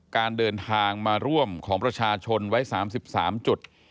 การเดินทางมาร่วมของประชาชนไว้๓๓จุด